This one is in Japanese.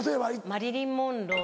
マリリン・モンロー。